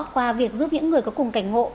qua việc giúp những người có cùng cảnh ngộ